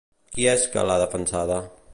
Qui és que l'ha defensada?